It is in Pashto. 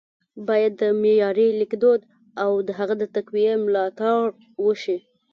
ـ بايد د معیاري لیکدود او د هغه د تقويې ملاتړ وشي